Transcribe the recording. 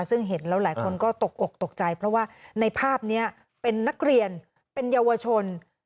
ซึ่งเห็นแล้วหลายคนก็ตกอกตกใจเพราะว่าในภาพนี้เป็นนักเรียนเป็นเยาวชน